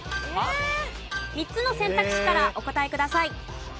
３つの選択肢からお答えください。